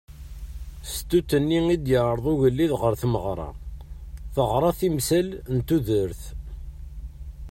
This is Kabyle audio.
Stut-nni i d-yeɛreḍ ugelliḍ ɣer tmeɣra teɣra timsal n tudert.